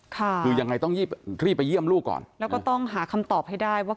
คือยังไงต้องรีบรีบไปเยี่ยมลูกก่อนแล้วก็ต้องหาคำตอบให้ได้ว่า